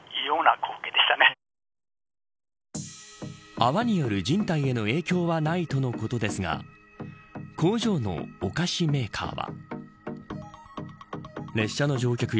泡による人体への影響はないとのことですが工場のお菓子メーカーは。